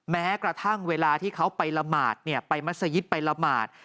แม้กระทั่งเวลาที่เขาไปละหมาดไปมัศยิตไปละหมาด